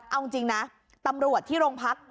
เอาจริงนะตำรวจที่โรงพัก